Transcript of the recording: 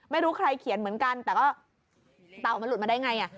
ไม่รู้ใครเขียนเหมือนกันแต่ก็เต่ามันหลุดมาได้ไง